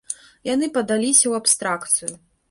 Яны падаліся ў абстракцыю.